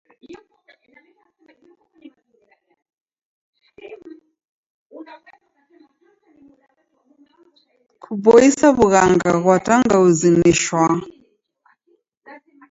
Kuboisa w'ughanga ghwa tangauzi ni shwaa.